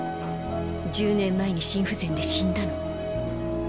１０年前に心不全で死んだの。